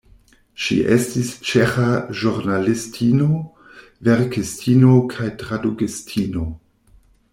Ŝi estis ĉeĥa ĵurnalistino, verkistino kaj tradukistino.